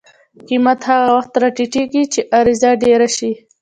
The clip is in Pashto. قیمت هغه وخت راټیټي چې عرضه ډېره شي.